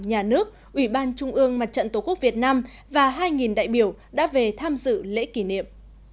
nhà nước ủy ban trung ương mặt trận tổ quốc việt nam và hai đại biểu đã về tham dự lễ kỷ niệm